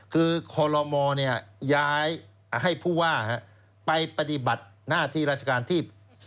คือคลมเนี่ยย้ายอ่าให้ผู้ว่าฮะไปปฏิบัติหน้าที่ราชการที่